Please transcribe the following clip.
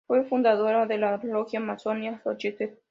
Fue fundadora de la Logia Masónica Xóchitl.